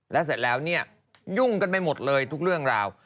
แล้วเสร็จแล้วเนี่ยยุ่งกันไปหมดเลยทุกเรื่องราว